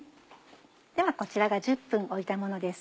ではこちらが１０分置いたものです。